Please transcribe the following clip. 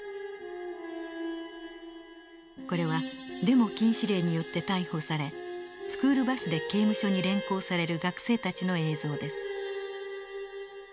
これはデモ禁止令によって逮捕されスクールバスで刑務所に連行される学生たちの映像です。